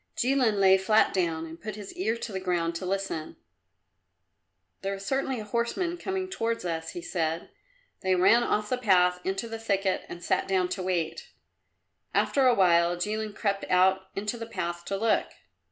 Jilin lay flat down and put his ear to the ground to listen. "There is certainly a horseman coming towards us," he said. They ran off the path into the thicket and sat down to wait. After a while Jilin crept out into the path to look.